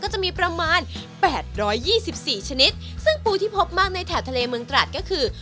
จะมีประมาณแปดร้อยยี่สิบสี่ชนิดซึ่งปูที่พบมากในแถบทะเลเมืองตราดก็คือ